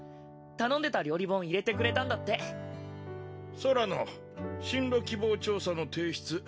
頼んでた料理本入れてくれたんだって宙野進路希望調査の提出